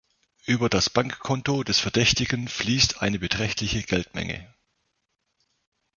Über das Bankkonto des Verdächtigen fließt eine beträchtliche Geldmenge.